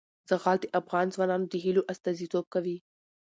زغال د افغان ځوانانو د هیلو استازیتوب کوي.